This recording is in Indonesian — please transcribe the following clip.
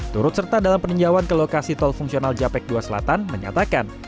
turut serta dalam peninjauan ke lokasi tol fungsional japek dua selatan menyatakan